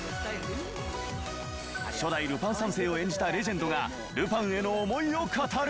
初代ルパン三世を演じたレジェンドがルパンへの思いを語る。